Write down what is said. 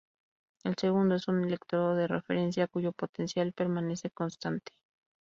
El segundo es un electrodo de referencia cuyo potencial permanece constante.